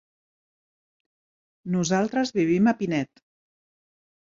Nosaltres vivim a Pinet.